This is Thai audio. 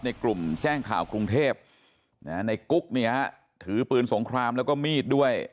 กลุ่มแจ้งข่าวกรุงเทพในกุ๊กเนี่ยฮะถือปืนสงครามแล้วก็มีดด้วย